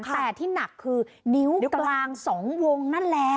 แต่ที่หนักคือนิ้วกลาง๒วงนั่นแหละ